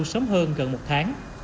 sớm hơn gần một tháng